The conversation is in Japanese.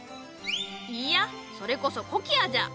いやそれこそコキアじゃ。